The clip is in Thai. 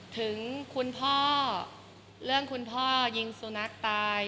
ถึงคุณพ่อเรื่องคุณพ่อยิงสุนัขตาย